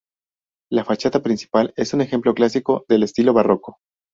La fachada principal es un ejemplo clásico del estilo barroco.